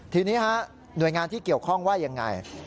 ทีนี้หน่วยงานที่เกี่ยวข้องว่ายังไง